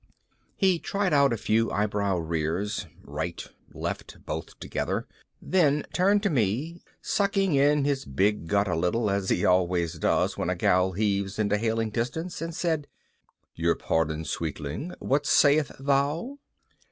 He tried out a few eyebrow rears right, left, both together then turned to me, sucking in his big gut a little, as he always does when a gal heaves into hailing distance, and said, "Your pardon, sweetling, what sayest thou?"